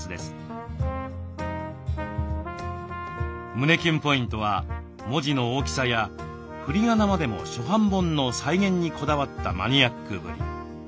胸キュンポイントは文字の大きさや振りがなまでも初版本の再現にこだわったマニアックぶり。